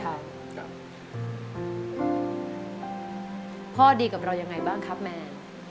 อเรนนี่ส์พ่อดีกับเรายังไงบ้างครับแมน